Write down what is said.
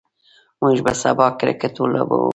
موږ به سبا کرکټ ولوبو.